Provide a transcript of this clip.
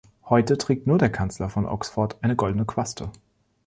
Heute trägt nur der Kanzler von Oxford eine goldene Quaste.